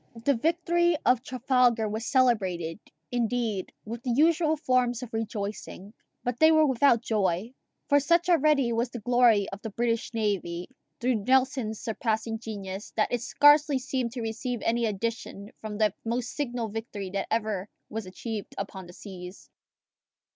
The victory of Trafalgar was celebrated, indeed, with the usual forms of rejoicing, but they were without joy; for such already was the glory of the British navy, through Nelson's surpassing genius, that it scarcely seemed to receive any addition from the most signal victory that ever was achieved upon the seas.